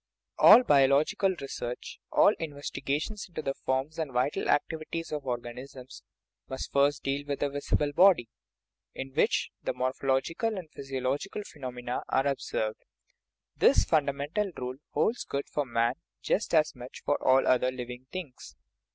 A LL biological research, all investigation into the forms and vital activities of organisms, must first deal with the visible body, in which the mor phological and physiological phenomena are ob served. This fundamental rule holds good for man just as much as for all other living things.